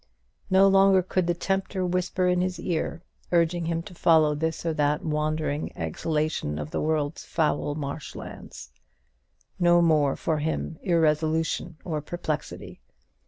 No longer could the tempter whisper in his ear, urging him to follow this or that wandering exhalation of the world's foul marsh lands. No more for him irresolution or perplexity.